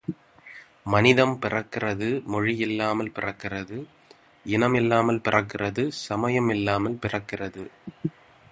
மனிதம் பிறக்கிறது மொழியில்லாமல் பிறக்கிறது இனம் இல்லாமல் பிறக்கிறது சமயம் இல்லாமல் பிறக்கிறது.